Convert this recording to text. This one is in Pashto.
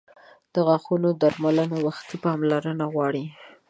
• د غاښونو درملنه وختي پاملرنه غواړي.